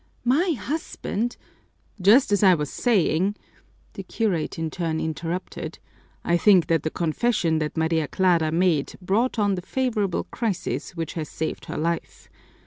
My husband " "Just as I was saying," the curate in turn interrupted, "I think that the confession that Maria Clara made brought on the favorable crisis which has saved her life.